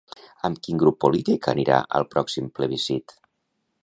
Amb quin grup polític anirà al pròxim plebiscit?